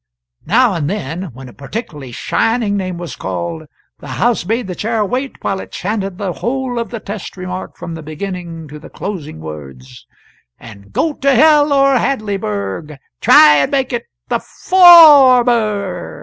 Now and then, when a particularly shining name was called, the house made the Chair wait while it chanted the whole of the test remark from the beginning to the closing words, "And go to hell or Hadleyburg try and make it the for or m e r!"